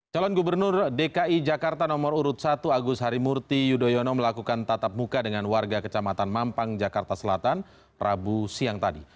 calon gubernur dki jakarta nomor urut satu agus harimurti yudhoyono melakukan tatap muka dengan warga kecamatan mampang jakarta selatan rabu siang tadi